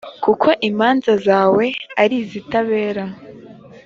kuko imanza zawe ari izitabera